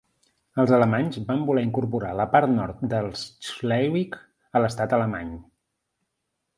Els alemanys van voler incorporar la part nord de Schleswig a l'estat alemany.